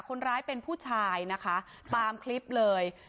คนร้ายเป็นผู้ชายนะคะตามคลิปเลย